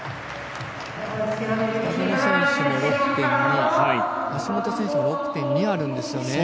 北園選手も６．２橋本選手も６．２あるんですよね。